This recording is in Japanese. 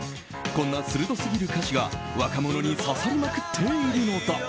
こんな鋭すぎる歌詞が若者に刺さりまくっているのだ。